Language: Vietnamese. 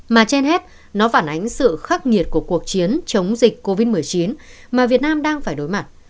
mà trên hết nó phản ánh sự khắc nghiệt của cuộc chiến chống dịch covid một mươi chín mà việt nam đang phải đối mặt